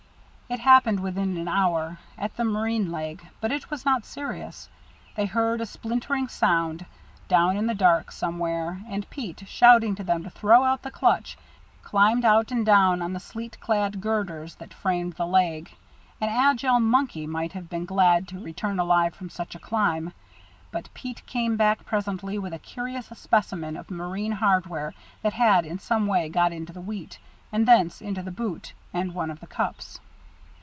It happened within an hour, at the marine leg, but it was not serious. They heard a splintering sound, down in the dark, somewhere, and Pete, shouting to them to throw out the clutch, climbed out and down on the sleet clad girders that framed the leg. An agile monkey might have been glad to return alive from such a climb, but Pete came back presently with a curious specimen of marine hardware that had in some way got into the wheat, and thence into the boot and one of the cups.